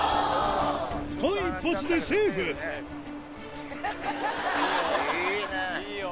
間一髪でセーフいいよ！